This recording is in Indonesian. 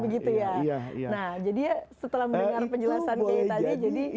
nah jadi setelah mendengar penjelasan tadi